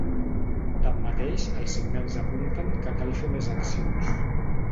Tanmateix, els signants apunten que cal fer més accions.